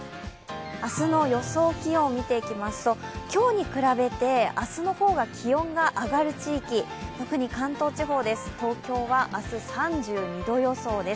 明日の予想気温見ていきますと今日に比べて明日の方が気温が上がる地域、関東地方です、東京は明日３２度予想です。